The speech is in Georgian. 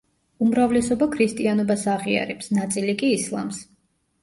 უმრავლესობა ქრისტიანობას აღიარებს, ნაწილი კი ისლამს.